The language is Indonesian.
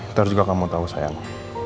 ntar juga kamu tahu sayang